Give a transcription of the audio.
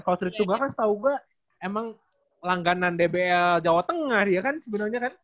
kalo tiga x tiga kan setau gue emang langganan dbl jawa tengah ya kan sebenernya kan